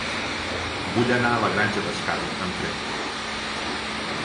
Vull anar a la Granja d'Escarp amb tren.